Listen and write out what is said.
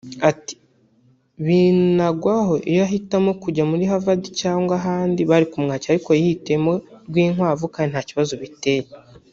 Ati Binagwaho iyo ahitamo kujya muri Harvad cyangwa ahandi bari kumwakira ariko yihitiramo Rwinkwavu kandi nta kibazo bitye